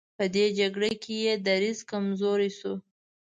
په دې جګړه کې یې دریځ کمزوری شو.